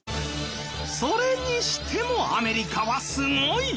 それにしてもアメリカはすごい。